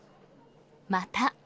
また。